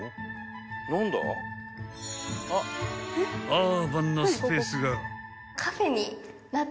［アーバンなスペースが］